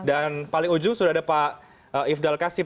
dan paling ujung sudah ada pak ifdal kasim